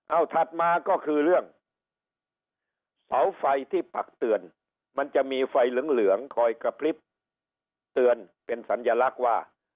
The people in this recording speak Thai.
เอาถัดมาก็คือเรื่องเสาไฟที่ปักเตือนมันจะมีไฟเหลืองคอยกระพริบเตือนเป็นสัญลักษณ์ว่า